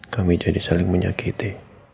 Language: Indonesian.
kami jadi saling menyakiti